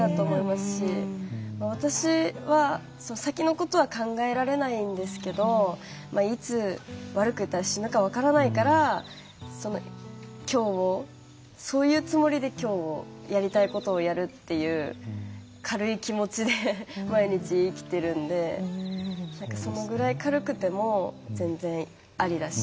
私は先のことは考えられないんですけどいつ、悪く言ったら死ぬかもしれない分からないから今日を、そういうつもりでやりたいことをやるっていう軽い気持ちで毎日生きてるんでそのくらい軽くても全然ありだし